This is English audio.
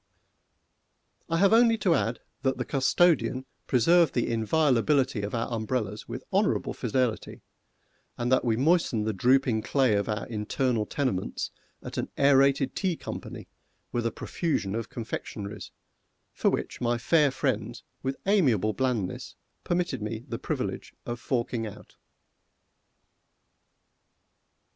I have only to add that the custodian preserved the inviolability of our umbrellas with honorable fidelity, and that we moistened the drooping clay of our internal tenements at an Aërated Tea Company with a profusion of confectionaries, for which my fair friends with amiable blandness permitted me the privilege of forking out.